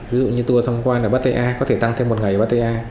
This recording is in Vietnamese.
ví dụ như tour thăm quan là batea có thể tăng thêm một ngày batea